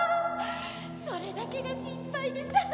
それだけが心配でさ。